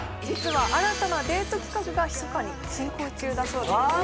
実は新たなデート企画がひそかに進行中だそうですだ